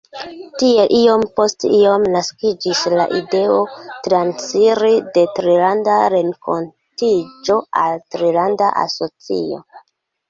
Tiel, iom post iom, naskiĝis la ideo transiri de Trilanda Renkontiĝo al trilanda asocio.